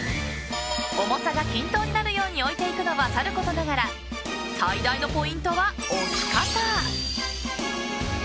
重さが均等になるように置いていくのはさることながら最大のポイントは置き方。